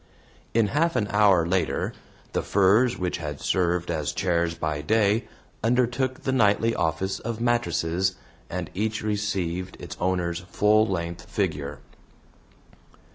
In half an hour later, the furs which had served as chairs by day undertook the nightly office of mattresses, and each received its owner's full length figure.